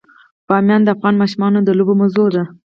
بامیان د افغان ماشومانو د لوبو موضوع ده.